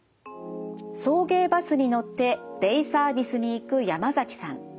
送迎バスに乗ってデイサービスに行く山崎さん。